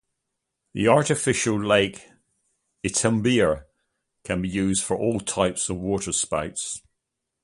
The artificial lake Itumbiara can be used for all types of water sports.